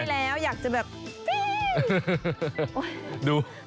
ไม่แล้วอยากจะแบบวิ่ง